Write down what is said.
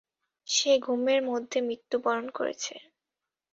সে ঘুমের মধ্যে মৃত্যুবরণ করেছে।